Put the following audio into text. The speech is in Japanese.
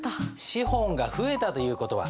資本が増えたという事は？